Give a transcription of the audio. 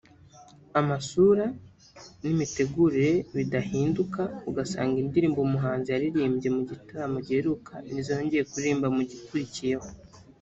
amasura n’imitegurire bidahinduka ugasanga indirimbo umuhanzi yaririmbye mu gitaramo giheruka nizo yongeye no kuririmba mu gikurikiyeho